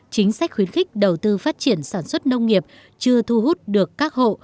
chính sách khuyến khích đầu tư phát triển sản xuất nông nghiệp chưa thu hút được các hộ